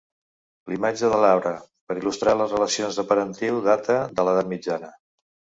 La imatge de l'arbre per il·lustrar les relacions de parentiu data de l'Edat mitjana.